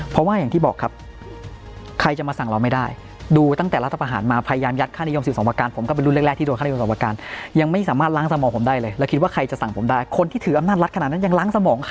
เพราะว่าอย่างที่บอกครับ